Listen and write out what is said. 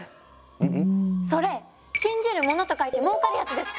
ううん？それ信じる者と書いて儲かるやつですか？